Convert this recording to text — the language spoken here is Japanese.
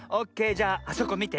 じゃああそこみて。